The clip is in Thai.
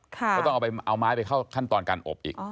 ก็ต้องเอามาเอาใหม่ไปเข้าขั้นตอนการอบอีก